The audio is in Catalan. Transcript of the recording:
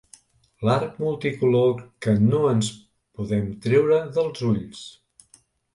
L'arc multicolor que no ens podem treure dels ulls.